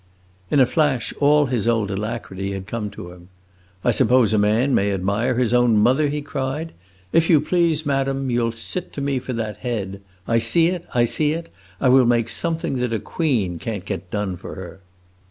In a flash all his old alacrity had come to him. "I suppose a man may admire his own mother!" he cried. "If you please, madame, you 'll sit to me for that head. I see it, I see it! I will make something that a queen can't get done for her."